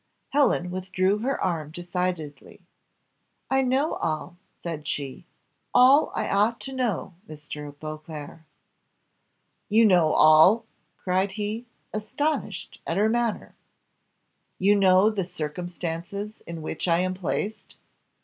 Helen withdrew her arm decidedly. "I know all," said she; "all I ought to know, Mr. Beauclerc." "You know all!" cried he, astonished at her manner. "You know the circumstances in which I am placed?"